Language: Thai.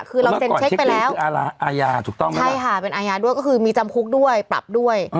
คือเราก็เจนเช็คไปแล้วใช่ค่ะเป็นอาญาด้วยก็คือมีจำคุกด้วยปรับด้วย